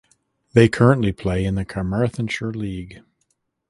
They currently play in the Carmarthenshire League.